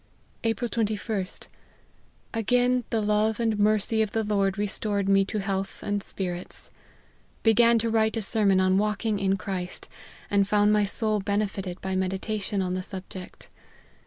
" April 21 st. Again the love and mercy of the Lord restored me to health and spirits. Began to write a sermon on walking in Christ, and fqjund my soul benefited by meditation on the subject.